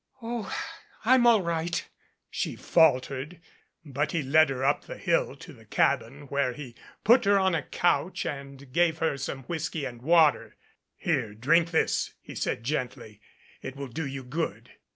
"Oh, I'm all right," she faltered. But he led her up the hill to the cabin where he put her on a couch and gave her some whisky and water. "Here, drink this," he said gently. "It will do you good."